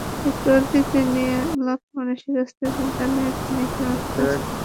একটু অতীত নিয়ে আলাপন মানসিক স্থিরতা দানে টনিকের মতো কাজ করে!